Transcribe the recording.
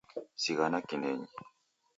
Zighana kinenyi